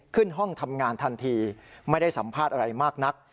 ขึ้นห้องทำงานทันทีไม่ได้สัมภาษณ์อะไรมากนัก